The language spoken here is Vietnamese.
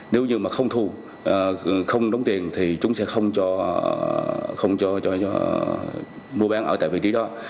nếu như mà không thu không đóng tiền thì chúng sẽ không cho mua bán ở tại vị trí đó